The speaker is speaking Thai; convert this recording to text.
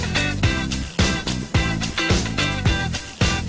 เรียนเชิญเลยนะคะ